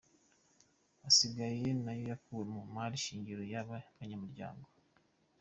Asigaye na yo yakuwe ku mari shingiro y’aba banyamuryango.